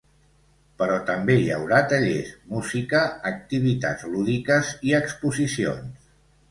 Però també hi haurà tallers, música, activitats lúdiques i exposicions.